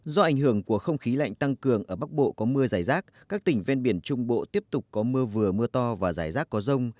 do ảnh hưởng của không khí lạnh tăng cường ở bắc bộ có mưa giải rác các tỉnh ven biển trung bộ tiếp tục có mưa vừa mưa to và giải rác có rông